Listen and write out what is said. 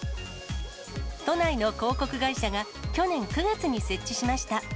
都内の広告会社が、去年９月に設置しました。